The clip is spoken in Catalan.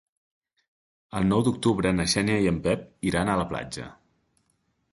El nou d'octubre na Xènia i en Pep iran a la platja.